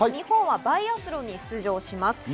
日本はバイアスロンに出場します。